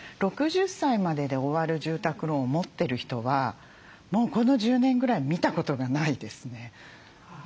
６０歳までで終わる住宅ローンを持ってる人はもうこの１０年ぐらい見たことがないですね。